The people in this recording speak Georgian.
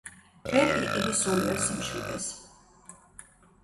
ვერ იყიდი სულიერ სიმშვიდეს.